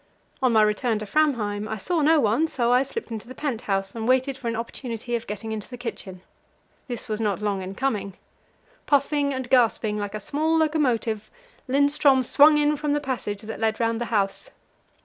On my return to Framheim I saw no one, so I slipped into the pent house, and waited for an opportunity of getting into the kitchen. This was not long in coming. Puffing and gasping like a small locomotive, Lindström swung in from the passage that led round the house.